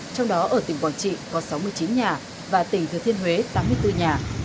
trong đó ở tỉnh quảng trị có sáu mươi chín nhà và tỉnh thừa thiên huế tám mươi bốn nhà